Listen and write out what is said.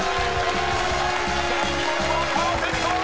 ［第２問はパーフェクト］